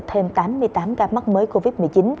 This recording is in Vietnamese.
thêm tám mươi tám ca mắc mới covid một mươi chín